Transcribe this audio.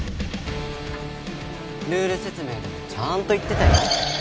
ルール説明でもちゃんと言ってたよ。